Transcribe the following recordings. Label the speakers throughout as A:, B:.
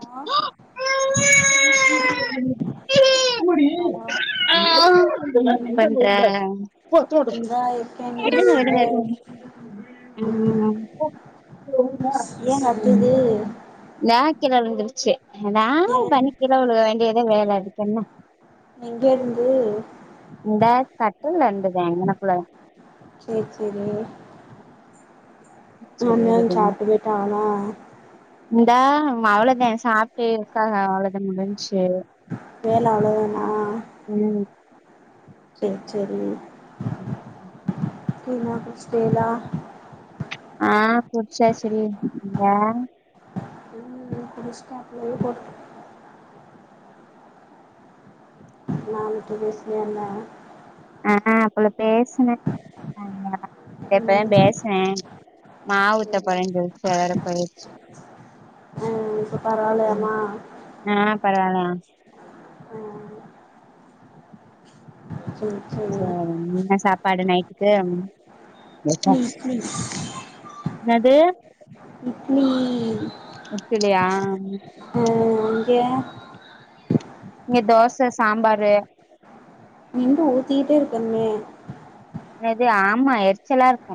A: ஆ hello
B: ஆஆஹ் பன்ற
A: இந்தா இருக்கேங்க சுடர்
B: ம்
A: ஏ கத்துது
B: தே கிழவுழுந்துருச்சு
A: ஏ
B: எதாவது பண்ணி கிழ விழுக வேண்டியதா வேல இதுக்கென்ன
A: எங்க இருந்து
B: இந்த தட்டு லந்துதா இங்கன குள்ள
A: சேரி சேரி அம்மா
B: சேரி
A: வந் சாப்ட்டு போய்ட்டாங்களா
B: இந்தா அவ்வளோதா சாப்ட்டு இருக்காக அவ்ளோதா முடிஞ்ச்சு
A: வேல அவ்ளதானா
B: ம்
A: சேரி சேரி
B: ம்
A: டீ லா குடிச்சிட்டேளா
B: ஆ குடிச்சாசு டி நீங்க
A: ம் குடிச்சுடோ அப்பலயே போட்டு மேம்ட்ட பேசுனியா என்ன
B: ஆ அப்பல பேசுனே ஆமா எப்பதா
A: ம்
B: பேசினே மா ஊத்த
A: சேரி
B: போரன் சொல்லிச்சு அதோட போயிச்சு
A: ஆ இப்ப
B: ம்
A: பரவால்லையமா
B: ஆ பரவாலயா
A: ம் சேரி சேரி
B: சேரி என்ன சாப்பாடு நைட்டுக்கு
A: இட்லி
B: என்னாது
A: இட்லீ
B: இட்டுலியா
A: ஆ அங்கே
B: இங்க தோச சாம்பாரு
A: நின்டு ஊத்திட்டே இருக்கனுமே
B: என்னது ஆமா எரிச்சலா இருக்கு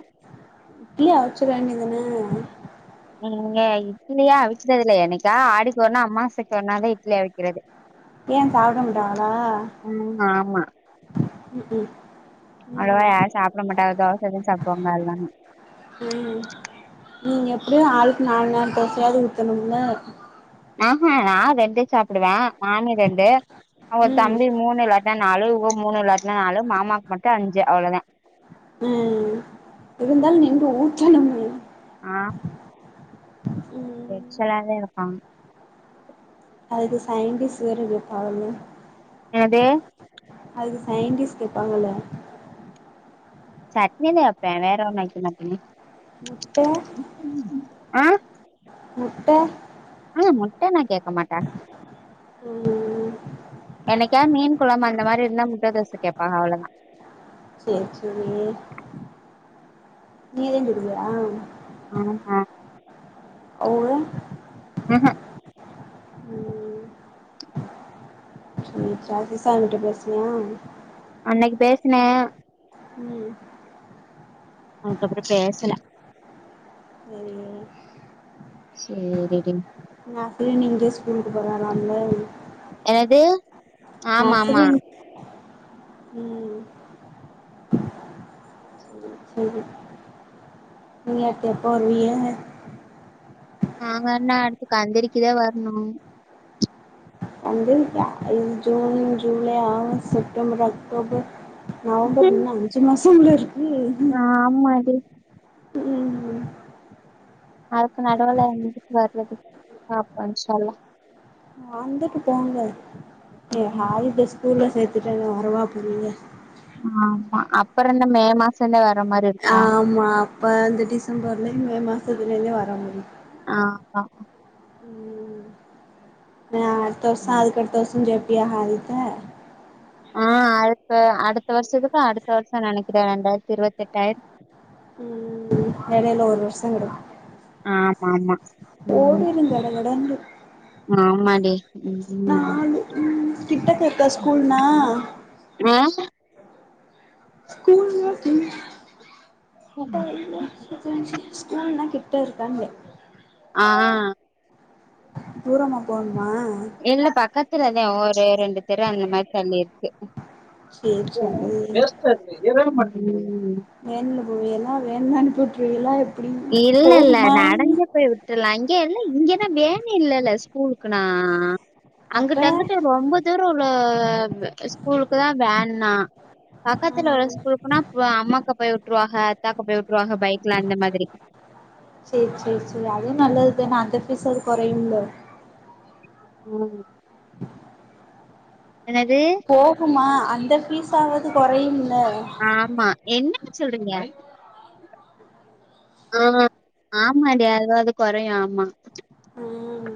A: இட்லி அவச்சுற வேண்டியதான
B: எங்க இட்லியே அவிச்சது இல்ல என்னைக்கா ஆடிக்கு ஒருண்ணா அம்மாசைக்கு ஒருண்ணா தா இட்லி அவிக்கிறது
A: ஏயா சாப்டமாட்டங்ளா
B: ம் ஆமா அவ்ளவா யாரு சாப்ட மாட்டாக தோசதா சாப்டுவாங்க எல்லாரு
A: ம் நீங்க எப்டியு ஆளுக்கு நாலு நாலு தோசையாது ஊத்தணும்ல
B: ஆ ஹா நா ரெண்டு சாப்புடுவே மாமி ரெண்டு அவுக
A: ம்
B: தம்பி மூணு இல்லாட்டினா நாலு இவோகோ மூணு இல்லாட்டினா நாலு மாமாக்கு மட்டு அஞ்சு அவ்ளோதா
A: ம் இருந்தாலு நீங்க ஊத்தனுமே
B: ஆ
A: ம்
B: எரிச்சலாதா இருக்கு
A: அதுக்கு சயின்டிஸ் வேற அதுக்கு வெச்சாகணுமே
B: நேது
A: அதுக்கு சயின்டிஸ் வெப்பாங்கல்ல
B: சட்னிதா வெப்பே வேற ஒன்னு வெக்க மாட்டேனே
A: முட்ட
B: ஆ
A: முட்ட
B: ஆ முட்டல கேக்க மாட்டாக
A: ம்
B: என்னைக்கா மீன் கொழம்பு அந்த மாரி இருந்தா முட்ட தோச கேப்பாக அவ்ளோதா
A: சேர் சைரி நீதா சுடுவியா
B: ஆமா
A: அவ்ளோ
B: ம் ஹாம்
A: நீ சாபீசா அங்கிட்டு பேசுனியா
B: அன்னிக்கி பேசுனே
A: ம்
B: அவ கிட்ட அதுக்கப்பறோ பேசல
A: வருவிங்க
B: சேரி டி
A: நா ஆஃப் டே இங்கயே ஸ்கூலுக்கு போலா ராம்லான் லீவ்
B: என்னது
A: ஆ
B: ஆமா ஆமா
A: சேரி ம் நீங்க அப்ப எப்ப வருவிய
B: நாங்கன்னா அடுத்து கந்தரிக்கிதா வர்ணு
A: வந்து ஐ June July August September October November உன்னு அஞ்சு மாசம்ல இருக்கு
B: ஆ ஆமாடி
A: ம் ம்
B: அதுக்கு நடவுள எங்குட்டு வரது வாப்பா இன்ஷா அல்லா
A: வந்துட்டு போங்க நீ
B: ம்
A: ஹாய்பே ஸ்கூல்ல சேத்துட்டா என்ன வரவா போறீங்க
B: ஆ ஆமா அப்புறோ இந்த மே மாசோந்தா வர்ற மாரி இருக்கோ
A: ஆமா அப்ப அந்த டிசம்பர்லயு மே மாசத்துலயுந்தா வர முடியு
B: ஆமா
A: ம் நா அடுத்த வருசோ
B: ம்
A: அதுக்கடுத்த வருசோ சேப்பியா ஹாயித்த
B: ஆ அடுத்த அடுத்த வருஷத்துக்கு அடுத்த வருஷோ நெனைக்கிற ரெண்டாயிரத்தி இருவத்தெட்டாயிடோ
A: ம் ம் ம் எடைல ஒரு வருஷோ கெடக்கு
B: ஆமா ஆமா ம்
A: ஓடிரு கடகடன்னு
B: ஆமா டி ம்
A: நாலு ம் கிட்ட தெ
B: ஆ
A: ஸ்கூல்ல கிங் [unintelligible] ஸ்கூல்லா கிட்ட இருக்கான்னே
B: ஆ
A: தூரமா போணுமா
B: இல்ல பக்கத்துலதே ஒரு ரெண்டு தெரு அந்த மாரி தள்ளிருக்கு
A: சேர் சேரி
B: ம்
A: வேன்ல்ல போவீயெல்லா வேன்ல அனுப்பிவுட்டுருவியல்லா எப்
B: இல்ல இல்ல நடந்து போய் விட்டுருலா இங்க இல்ல இங்கத்தா வேன் இல்லல்ல ஸ்கூலுக்குனா
A: அப்ப
B: அங்குட்டு அங்குட்டு ரொம்ப தூரோ உள்ள ஸ்கூலுக்கு தா வேன்னா
A: ஆ
B: பக்கத்துல ஒரு ஸ்கூலுக்குனா அம்மாக்கு போய் வுட்ருவாக அத்தாக்கு போய் வுட்ருவாக பைக்ல அந்த மாதிரி
A: சேரி சேரி சேரி அதுவு நல்லதுதான அந்த ஃபீஸ் ஆவது கொறையும்ல
B: ம் என்னது
A: போஹுமா அந்த ஃபீஸ் ஆவது கொறையும்ல்ல
B: ஆமா என்னங்க சொல்றீங்க ஆஹ் ஆமான்டி அதுவாவது கொறையு ஆமா
A: ம்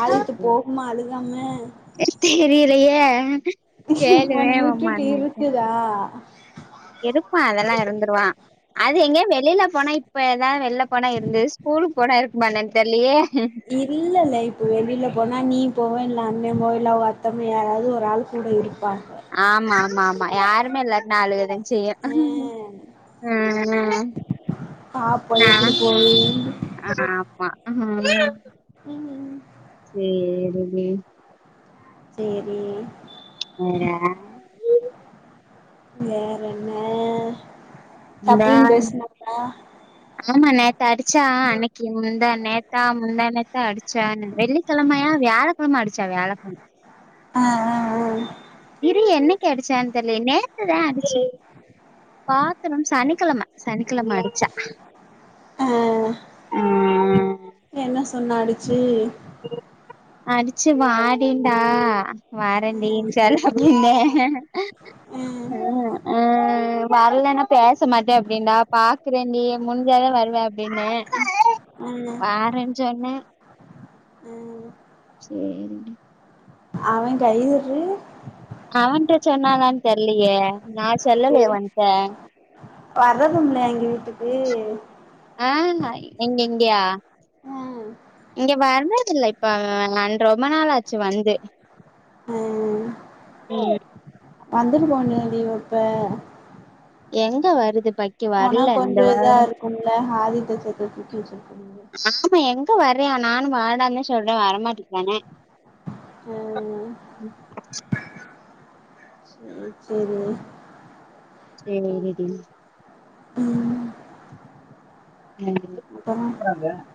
A: ஆல்ட்டு போகுமா அழுகாம
B: தெரியலையே கேளுவே
A: ஒன்னைய
B: உ
A: விட்டுட்டு
B: மருமகிட்ட
A: இருக்குதா
B: இருப்பா அதெல்லா இருந்துருவா அது எங்கேயோ வெளில போனா இப்ப எதா வெள்ல போனா இருந்தது ஸ்கூலுக்கு போனா இருக்குமா என்னானு தெர்லயே
A: இல்லல்ல இப்போ வெளில போனா நீ போவ இல்ல அண்ண போகையில அவுக அத்தம் யாராவது ஒரு ஆள் கூட இருப்பாங்க
B: ஆமா ஆமா ஆமா யாருமே இல்லாட்னா அழுக தா செய்யு ம் ம்
A: பாப்போ எப்புடி போவிக [inaudible]
B: அ ஆமா
A: மீமீ
B: சேரி மீ
A: சேரி
B: [unintelligible]
A: வேற என்னஆ
B: டாய் ஆமா நேத்து அடிச்சா அன்னைக்கு முந்தா நேத்தா முந்தா நேத்தா அடிச்சா வெள்ளிக் கெழமையா வியாழக்கழம அடிச்சா வியாழக்கழம
A: அஹ் அஹ் அஹ்
B: இரி என்னைக்கு அடிச்சானு தெர்லயே நேத்துதா அடிச்சு பாத்தரோனு சனிக்கிழம சனிக்கிழம அடிச்சா
A: அஹ்
B: ஆ
A: என்ன சொன்னா அடிச்சி
B: அடிச்சு வாடின்டா
A: ஆ
B: வரன்டினு சொல்ல வந்தே
A: ஆ
B: அஹ் வர்லனா பேச மாட்ட நா பாக்குறேன்டி முடிஞ்சாதா வருவேன் அப்புடின்னே
A: ஆ
B: வாறன் சொன்ன
A: ம்
B: சேரி டி
A: அவன் கயுரு
B: அவன்ண்ட சொன்னான தெரிலயே நான் செல்லலயே அவன்ட
A: வரதும்யில்லையா எங்க வீட்டுக்கு
B: ஆ நா எங்க இங்கையா இங்க வர்ரதில்ல இப்ப அவ ரொம்ப நாாளாச்சு வந்து
A: ம்
B: ம்
A: வந்துட்டு போவேண்தானடி வப்ப
B: எங்க வருது பக்
A: போனா கொஞ்சோ இதா இருக்கும்ல ஆதித சதுர்திக்கு [inaudible]
B: ஆமா எங்க வர்ரே நானு வாடான்னு சொல்றே வரமாட்டீக்ரானே
A: ம் சேரி சேரி
B: [unintelligible]
A: ம்
B: இப்ப
A: அப்பறோ
B: தா வந்த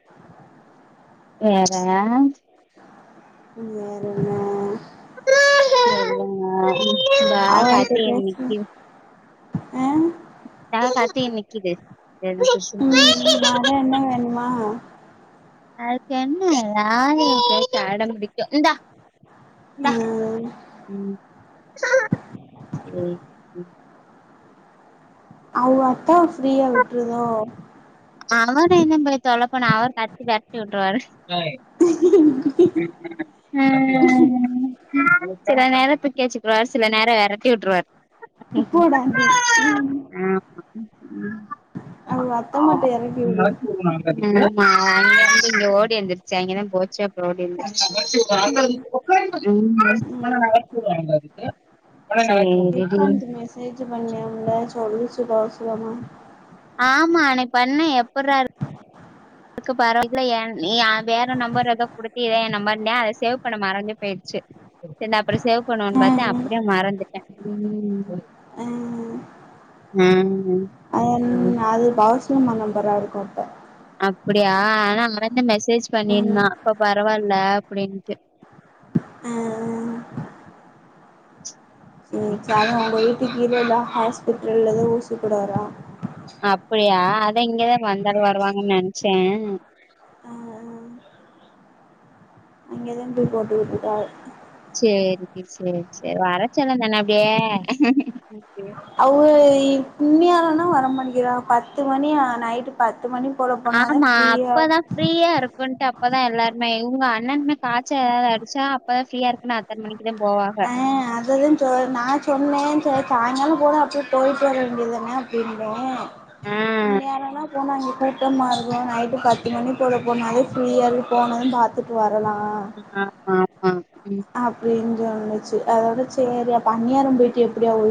B: வேற
A: வேற என்ன
B: [inaudible] இன்னிக்கி
A: அ
B: தா பாத்தி நிக்கிது எனக்கு
A: ம் மற என்ன வேணுமா
B: அதுக்கு என்ன [inaudible] அடம் புடிக்கு இந்தா
A: ஆ
B: ம் சேரி
A: அவுக அப்பா ஃப்ரீயா விட்ருதோ
B: அவர் என்ன போய் தொல்ல பண்ண அவர் கத்தி விரட்டி விட்ருவாரு
A: [unintelligible]
B: ம் சில நேரத்துக்கு [unintelligible] சில நேரோ இறத்தி விட்ருவார்
A: போடாண்டி ம் அவ அத்தமாட்ட
B: ஆமா
A: எறக்கி
B: போ
A: விடு
B: மா [inaudible] மா அங்க வந்து இங்க ஓடி வந்துருச்சு அங்கதான் போச்சு அப்ரோ ஓடி
A: ம்
B: [unintelligible] [unintelligible] சேரி டி
A: சேஜ பண்ணியம்ல சொல்லு சுபா சொன்னா
B: ஆமா அன்னைக்கு பண்ண எப்பட்ரா இருக் இருக்கு பரவாயில்ல எ எ வேற நம்பர் ஏதோ குடுத்து என் நம்பர்னே அதை சேவ் பண்ண மறந்து போயிடுச்சு சரி நா அப்ரோ சேவ் போன் வந்தாச்சு
A: ம்
B: அப்டியே மறந்துட்ட
A: ம்
B: நானுந்தா
A: அதன்
B: சேரி
A: அது பாஸ் கியமா நம்பரா இருக்கு அப்ப
B: அப்படியா ஆனா அவந்தே மெசேஜ்
A: ம்
B: பண்ணிருந்தா இப்ப பரவால்ல அப்டின்ட்டு
A: ஆ ஆ சேரி ச அது உங்க வீட்டுக்கு கீழ உள்ள ஹாஸ்பிட்டல்ல தா ஊசி போட வர்ரா
B: அப்படியா அதா இங்கதா வந்தாலு வருவாங்கன்னு நென்ச்ச
A: அ அ அங்கதா போய் போட்டூட்டுட்டாக
B: சேரிங்க சேர் சேர் [unintelligible] அப்டியே
A: அவ்வு இன்னியோரன்னா வர மாட்டிக்கறாங்க பத்து மணி ஆ நைட்டு பத்து மணி போலா
B: ஆமா அப்பதா ஃப்ரீயா இருப்பன்ட் அப்பதா எல்லாருமே உங்க அண்ணன்மே காச்ச எதாது அடிச்சா இப்பதா ப்ரீயா இருக்குன்னா அத்தன மணிக்கு தா போவாஹா
A: [unintelligible] சாய்ங்காலோ போனா அப்படியே போய்ட்டு வர வேண்டியது தானே அப்டிம்பே
B: ஆ
A: நா வேணா [inaudible] நைட்டு பத்து மணிபோல போனாலே ஃப்ரீயாவே போனது பாத்துட்டு வரலா
B: [inaudible] ம்
A: அப்டின்னு சொன்னுச்சு அதோட சேரி பன்னியாரோ போயிட்டு எப்படியாவு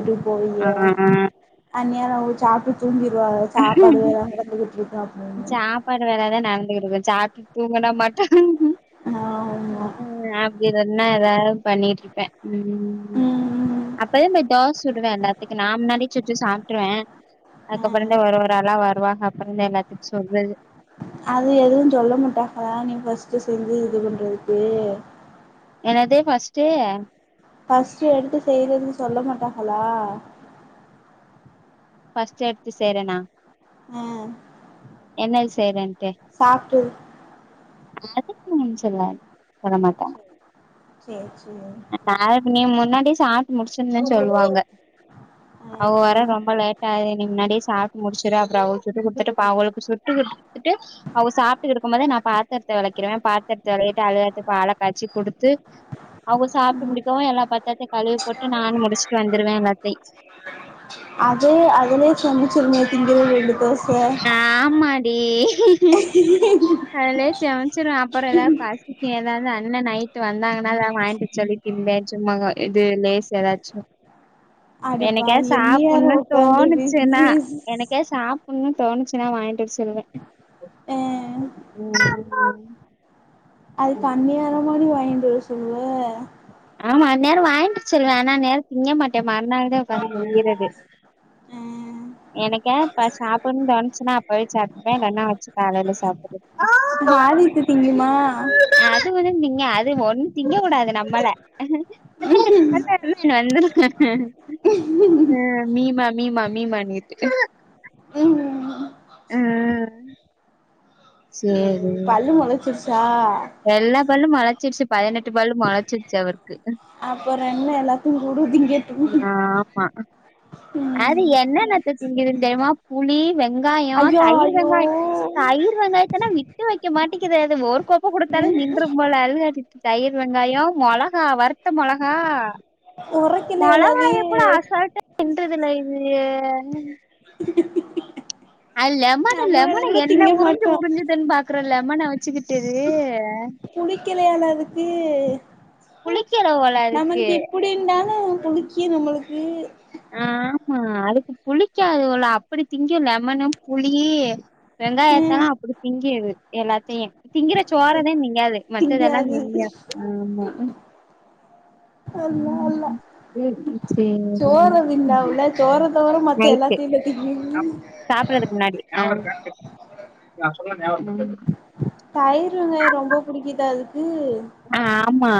B: ஆ
A: போவிங்கிய [inaudible] சாப்ட்டு தூங்கிருவாக சாப்பாடு வேற [inaudible] [unintelligible]
B: சாப்பாடு வேல தா நடந்துகிட்டுருக்கு சாப்ட்டு தூங்குனா மாட்டு
A: ஆமா
B: ம் அப்டி வேண்ணா எதாவ் பண்ணீட்டுருப்ப ம்
A: ம் ம்
B: அப்பதா போய் தோச சுடுவ எல்லாத்திக்கு நா முன்னாடி சுச்சு சாப்ட்ருவ
A: ஆ
B: அதுக்கப்பறந்தே ஒரு ஒரு ஆளா வருவாங்க அப்பறமே எல்லார்த்துட் சொல்லு
A: அது எதுவு சொல்ல மாட்டாஹா நீ ஃபர்ஸ்ட் செஞ்சு இது பண்றதுக்கு
B: என்னது ஃபர்ஸ்ட்
A: ஃபஸ்ட் எடுத்து செய்றன்னு சொல்ல மாட்டாஹளா
B: ஃபஸ்ட் எடுத்து செய்றன்னா
A: அ
B: என்னது செய்றேன்ட்டு
A: சாப்ட்டு
B: அதுக்கு ஒன்னு சொல்ல சொல்ல மாட்டாங்க
A: சேர் சேரி
B: [unintelligible] நீ முன்னாடி சாப்ட்டு முடிச்சிருனு சொல்லுவாங்க
A: ஆ
B: அவ வர ரொம்ப லேட் டாகுது நீங்க முன்னாடியே சாப் முடிச்சிரு அப்பறோ அவு சுட்டுகுடுத்துட்டு பா அவங்களுக்கு சுட்டுகுடுத்துட்டு அவ சாப்ட்டுகிட்டு இருக்கும் போதே நா பாத்தரத்த வெளக்கீறுவ பாத்தரத்த வெளக்கிட்டு [unintelligible] பால காச்சி குடு த்து அவங்க சாப்ட்டு
A: ம்
B: முடிக்கவு எல்லா பத்தரத்தையு கழுவிபோட்டு நானு முடிச்சுட்டு வந்துருவ எல்லாத்தி
A: அது அதுலே சொன்னுச்சு நேத்து இங்க தா விழுந்துட்ட ச
B: ஆமா டி
A: [unintelligible]
B: அதுலே சமச்சிருவ அப்பறோ எதாவ் பசிக்கு எதாது அண்ண நைட் வந்தாங்கன்னா எதாவ் வாயின்ட் வர சொல்லி [unintelligible] சும்மாகா இது லேஸ் எதாச்சு என்னைக்காது
A: அடிப்பாவி எந்நேரோ
B: சாப்புன்னு
A: உக்காந்து
B: தோணுச்சுன்னா
A: பிஸ்
B: எனக்கு [unintelligible] சாப்புன் னு தோணுச்சுன்னா வாயின்ட்டு வர சொல்லுவ
A: ஆ அது பண்ணியாரோ மாரி வாயின்ட்டு வர சொல்லு
B: ஆமா அந்நேரோ வாங்கிட்டு சொல்லுவே ஆனா நேர திங்க மாட்டே மறுநாள்தா உக்காந்து திங்கிரது
A: அ
B: என்னைக்காது ப சாப்பன்னுனு தோணுச்சுன்னா அப்பவே சாப்டுகிட்டா இல்லேனா வச்சு காலேல சாப்பற்றது
A: ஆடிட்டு திங்கிமா
B: அது ஒண்ணு திங்கு அது ஒண்ணு திங்ககூடாது நம்மள வந்துருக அ மீ மா மீ மா மீ மான்னுகிட்டு
A: ம்
B: சேரி
A: ம் பல்லு மொளச்சிருச்சா
B: எல்லா பல்லு மொச்சிருச்சு பதினெட்டு பல்லூ மொளச்சிருச்சு அவருக்கு
A: அப்பறோ என்ன எல்லாத்தையு குடு திங்கட்டு
B: ஆமா அது
A: ம்
B: என்னன்னத்த திங்குதுன் தெரிமா புளி வெங்காயோ
A: ஐயோ
B: தயிர் வெங்காயோ
A: ஐயோ
B: தயிர் வெங்காயத்தனா விட்டு வைக்க மாட்டிக்குது அது ஒரு கோப்ப கூட தாலு
A: ம்
B: நின்றும் போல அதுகாட்டி தயிர் வெங்காயோ மொளகா வறுத்த மொளகா
A: ஒற
B: மொளகாய கூட அசால்டா தின்றதுல இது
A: [unintelligible]
B: அது லெமனு
A: நம்ம
B: லெமன
A: கூட
B: ஏன்ன
A: திங்க
B: உறுஞ்சு
A: மாட்டோ
B: உறுஞ்சுதுன்னு பாக்குற லெமன வச்சுக்கிட்டு
A: புளிக்களயால அதுக்கு
B: புளிக்கல போல அதுக்கு
A: நம்மளுக்கு இப்டின்டாலு புளிக்கி நம்மளுக்கு
B: ஆமா அதுக்கு புளிக்காது போல அப்டி திங்கு லெமனு புளி
A: ம்
B: வெங்காயத்தலா அப்டி திங்கி இது எல்லாத்தயு திங்கிற சோரதா திங்காது மத்தது எல்லா
A: திங்காது
B: திங்கு ஆமா
A: அல்லா அல்லா
B: ம் ம்
A: சோற
B: சேரிங்க
A: திண்டாவுல சோர தவுர மத்த எல்லாத்தையுல்ல திங்கிது
B: சாப்றதுக்கு முன்னாடி அ அ
A: தயிர் வெங்காயோ ரொம்ப புடிக்கிதா அதுக்கு
B: ஆமா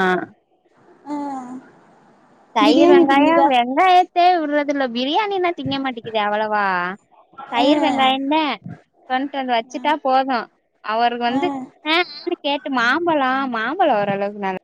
A: அ
B: தயிர் வெங்காயோ வெங்காயத்தே வுடுறதுல்ல பிரியாணின்னா திங்க மாட்டிக்கிது அவ்வளவா
A: ஆ
B: தயிர் வெங்காயந்து கொன்ட்டு வந்து வச்சுட்டா போது அவருக்கு
A: ஆ
B: வந்து ஆ ஆ னு கேட்டு மாம்பழோ மாம்பழோ ஓரளவுக்கு நல்ல